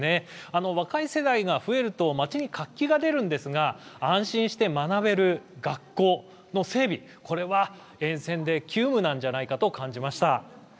若い世代が増えると街に活気が出るんですが安心して学べる学校の整備、これは沿線が急務なんではないかと感じました。